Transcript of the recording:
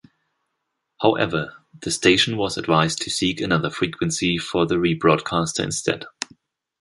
However, the station was advised to seek another frequency for the rebroadcaster instead.